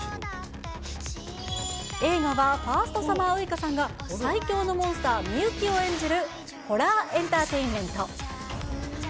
映画はファーストサマーウイカさんが、さいきょうのモンスター、美雪を演じるホラーエンターテインメント。